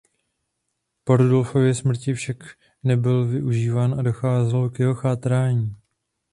Po Rudolfově smrti však nebyl využíván a docházelo k jeho chátrání.